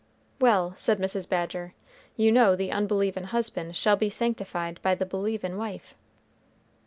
"Well," said Mrs. Badger, "you know the unbelievin' husband shall be sanctified by the believin' wife."